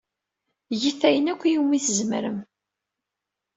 Get ayen akk umi tzemrem.